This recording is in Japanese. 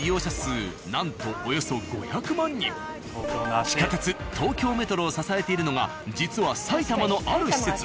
なんと地下鉄東京メトロを支えているのが実は埼玉のある施設。